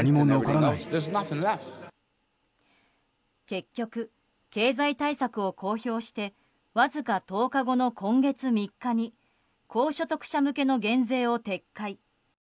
結局、経済対策を公表してわずか１０日後の今月３日に高所得者向けの減税を撤回。